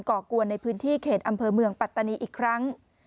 กวนในพื้นที่เขตอำเภอเมืองปัตตานีอีกครั้ง